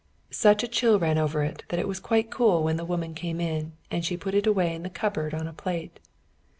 Such a chill ran over it, that it was quite cool when the woman came in, and she put it away in the cupboard on a plate.